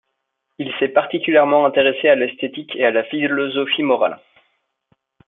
Il s’est particulièrement intéressé à l’esthétique et à la philosophie morale.